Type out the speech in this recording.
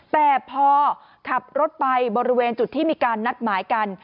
แต่พอขับรถไปบริเวณจุดที่มีการนัดหมายกัน